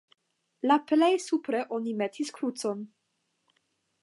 La plej supre oni metis krucon.